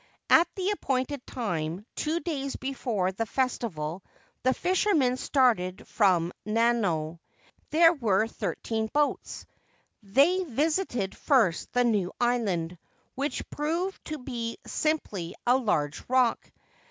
At the appointed time two days before the festival the fishermen started from Nanao. There were thirteen boats. They visited first the new island, which proved to be simply a large rock.